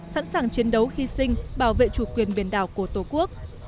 sẵn sàng chiến đấu hy sinh bảo vệ chủ quyền biển đảo của tổ quốc